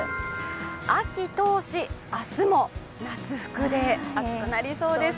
秋遠し、明日も夏服で、暑くなりそうです。